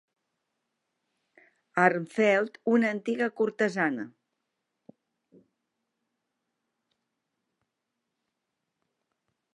Armfeldt, una antiga cortesana.